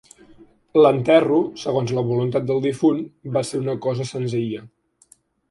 L'enterro, segons la voluntat del difunt, va ser una cosa senzilla